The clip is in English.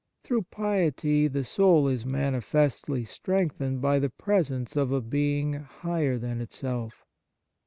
Through piety the soul is manifestly strengthened by the presence of a Being higher than itself.